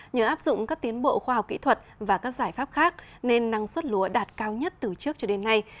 nhờ áp dụng các tiến bộ khoa học kỹ thuật và các giải pháp khác nên năng suất lúa đạt cao nhất từ trước cho đến nay